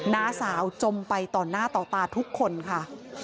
น้าสาวจมไปต่อหน้าต่อตาทุกคนค่ะ